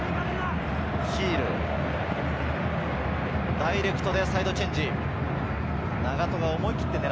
ダイレクトでサイドチェンジ。